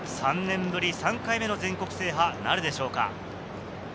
３年ぶり３回目の全国制覇なるでしょうか。